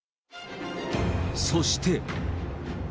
そして。